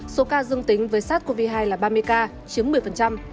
số ca dương tính với sars cov hai là ba mươi ca chiếm một mươi